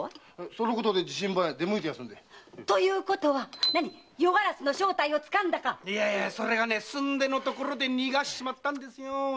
そのことで自身番へ出向いてますんで。ということは夜鴉の正体を掴んだか⁉それがすんでのところで逃がしちまったんですよ。